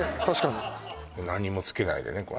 確かに何もつけないでね